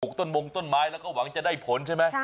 ต้นมงต้นไม้แล้วก็หวังจะได้ผลใช่ไหม